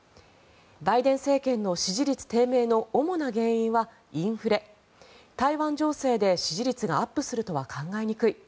バイデン政権の支持率低迷の主な原因はインフレ台湾情勢で支持率がアップするとは考えにくい。